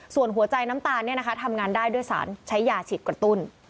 ส่วนหัวใจน้ำตาลทำงานได้ด้วยสารใช้ยาฉีดกระตุ้น